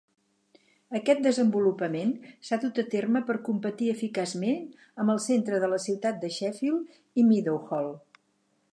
Aquest desenvolupament s'ha dut a terme per competir eficaçment amb el centre de la ciutat de Sheffield i Meadowhall.